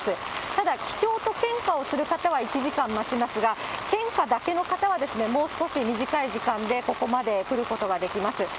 ただ記帳と献花をする方は１時間待ちますが、献花だけの方はですね、もう少し短い時間でここまで来ることができます。